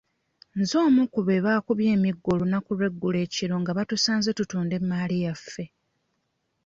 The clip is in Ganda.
Nze omu ku be baakubye emiggo olunaku lw'eggulo ekiro nga batusanze tutunda emmaali yaffe.